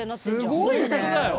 すごいね！